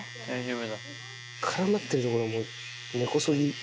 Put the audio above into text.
絡まってるところ根こそぎ。